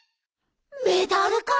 メダルから？